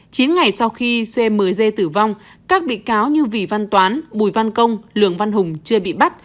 chín ngày sau khi cmg tử vong các bị cáo như vỉ văn toán bùi văn công lường văn hùng chưa bị bắt